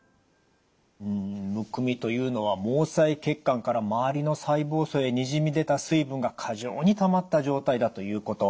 むくみというのは毛細血管から周りの細胞層へにじみ出た水分が過剰にたまった状態だということ。